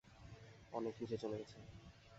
অনেক নিচে চলে গেছে।